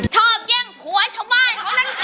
ชอบเยี่ยงหัวชมาย